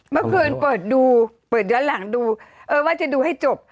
เมื่อคืนเปิดดูเปิดย้อนหลังดูเออว่าจะดูให้จบ